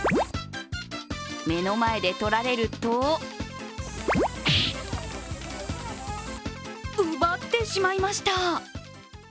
目の前で取られると奪ってしまいました。